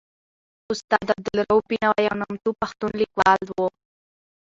استاد عبدالروف بینوا یو نوموتی پښتون لیکوال و.